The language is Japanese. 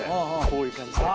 こういう感じで。